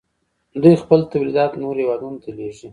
دوی خپل تولیدات نورو هیوادونو ته لیږي.